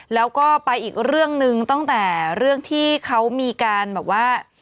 แล้วก็ไปอีกเรื่องหนึ่งตั้งแต่เรื่องที่เขามีการแบบว่า